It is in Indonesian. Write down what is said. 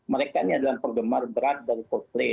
mereka ini adalah penggemar berat dari vote play